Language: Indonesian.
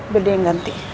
biar dia yang ganti